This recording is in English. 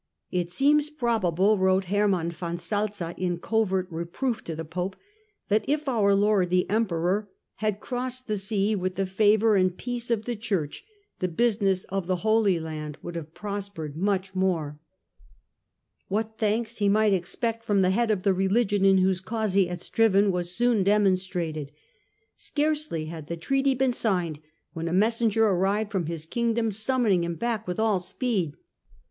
" It seems probable," wrote Hermann von Salza in covert reproof to the Pope, " that if our Lord the Emperor had crossed the sea with the favour and peace of the Church, the business of the Holy Land would have prospered much more." What thanks he might expect from the head of the religion in whose cause he had striven was soon demon strated. Scarcely had the treaty been signed when a messenger arrived from his Kingdom summoning him back with all speed.